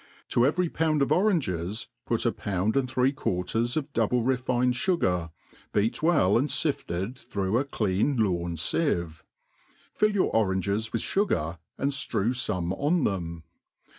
To every pound of oranges put a pound and three quarters of double refined fugar, beat well and fifted through a. clean lawn fieve, fill your oranges with fugar, and ^rew fome on them.